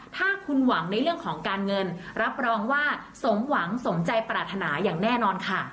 ถ้าคุณหวังในเรื่องของการเงินรับรองว่าสมหวังสมใจปรารถนาอย่างแน่นอนค่ะ